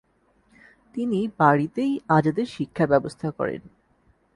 তিনি বাড়িতেই আজাদের শিক্ষার ব্যবস্থা করেন।